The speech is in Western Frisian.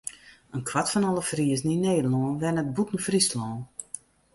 In kwart fan alle Friezen yn Nederlân wennet bûten Fryslân.